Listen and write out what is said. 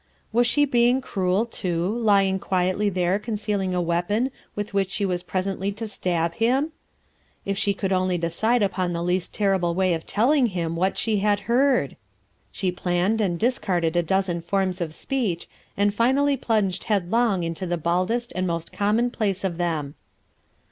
Was she being cruel, too, lying quietly there concealing a weapon with which she was presently to stab him ? If she could only decide upon the least terrible way of telling him what she had heard ! She planned and discarded a dozen forms f speech, and finally plunged headlong into the baldest and most commonplace of them.